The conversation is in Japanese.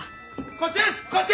こっちですこっち！